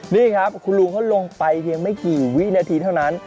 นี่ครับคุณลุงเขาลงไปเพียงไม่กี่วินาทีเท่านั้น